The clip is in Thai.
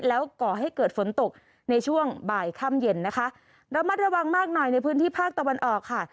แล้วก่อให้เกิดฝนตกในช่วงบ่ายค่ำเย็นนะคะระมัดระวังมากหน่อยในพื้นที่ภาคตะวันออกค่ะ